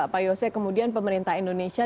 pak yose kemudian pemerintah indonesia